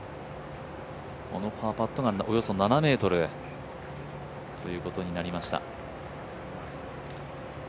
このパーパットがおよそ７ｍということになりました。